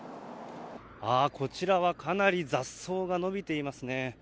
こちらはかなり雑草が伸びていますね。